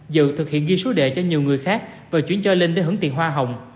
dự thực hiện ghi số đề cho nhiều người khác và chuyển cho linh đến hướng tiền hoa hồng